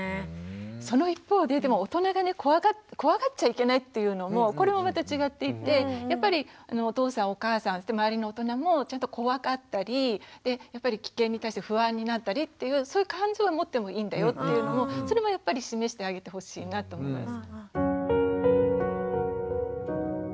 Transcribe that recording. その一方で大人が怖がっちゃいけないっていうのもこれもまた違っていてやっぱりお父さんお母さん周りの大人もちゃんと怖がったり危険に対して不安になったりっていうそういう感情は持ってもいいんだよっていうのもそれもやっぱり示してあげてほしいなと思います。